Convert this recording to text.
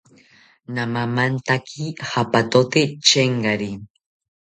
Namamantaki japatote chengari